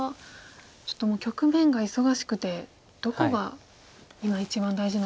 ちょっともう局面が忙しくてどこが今一番大事なところなんでしょうか。